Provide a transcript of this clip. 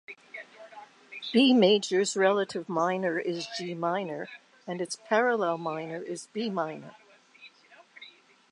B major's relative minor is G minor, and its parallel minor is B minor.